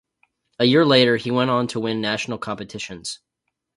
A year later, he went on to win national competitions.